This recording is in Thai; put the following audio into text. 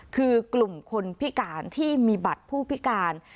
คือกลุ่มคนพิการที่มีบัตรผู้พิการ